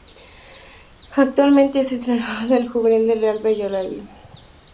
Actualmente es entrenador del juvenil del Real Valladolid.